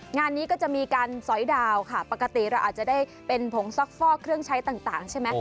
งานนี้ก็จะมีการสอยดาวค่ะปกติเราอาจจะได้เป็นผงซักฟอกเครื่องใช้ต่างใช่ไหม